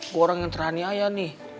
gue orang yang teraniaya nih